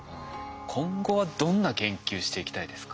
今後はどんな研究していきたいですか？